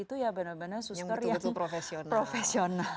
itu ya benar benar suster yang profesional